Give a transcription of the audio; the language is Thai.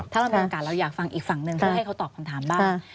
ถ้าเรามีโอกาสเราอยากฟังอีกฝั่งหนึ่งเพื่อให้เขาตอบคำถามบ้าง